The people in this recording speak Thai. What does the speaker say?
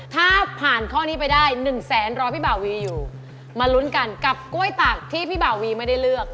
ถ้าผ่านข้อนี้ไปได้๑แสนรอพี่บ่าวีอยู่มาลุ้นกันกับกล้วยตักที่พี่บ่าวีไม่ได้เลือก